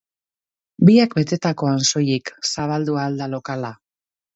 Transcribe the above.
Biak betetakoan soilik zabaldu ahal da lokala.